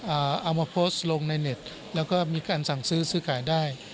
เอามาโพสต์ลงในเน็ตแล้วก็มีการสั่งซื้อซื้อขายได้